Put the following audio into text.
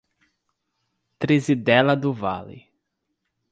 Trizidela do Vale